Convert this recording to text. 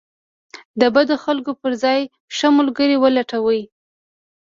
د بد خلکو پر ځای ښه ملګري ولټوه.